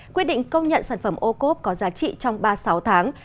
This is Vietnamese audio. quyết định công nhận sản phẩm ô cốp có giá trị trong ba sáu tháng